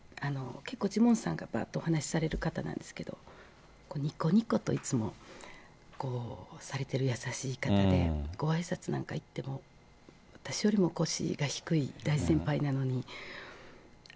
結構、ジモンさんがばーっとお話される方なんですけど、にこにこと、いつもされてる優しい方で、ごあいさつなんか行っても、私よりも腰が低い、大先輩なのに。